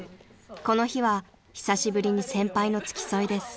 ［この日は久しぶりに先輩の付き添いです］